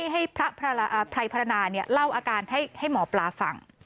ให้พระไพรพระนาเล่าอาการให้หมอปลาฟัง